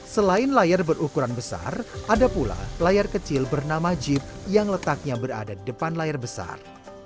selain layar berukuran besar ada pula layar kecil bernama jeep yang letaknya berada di depan layar besar